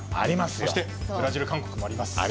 そして、ブラジルあります。